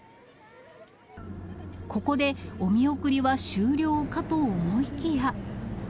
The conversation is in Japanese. ここでお見送りは終了かと思いきや。